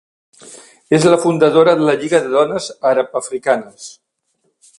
És la fundadora de la Lliga de Dones Àrab-africanes.